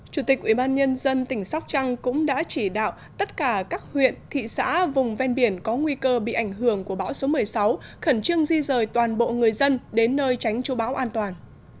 chủ tịch ubnd tỉnh sóc trăng cũng đã chỉ đạo tất cả các huyện thị xã vùng ven biển có nguy cơ bị ảnh hưởng của bão số một mươi sáu khẩn trương di rời toàn bộ người dân đến nơi tránh chú bão an toàn